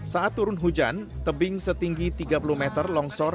saat turun hujan tebing setinggi tiga puluh meter longsor